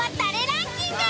ランキング。